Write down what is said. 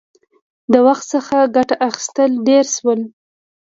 • د وخت څخه ګټه اخیستل ډېر شول.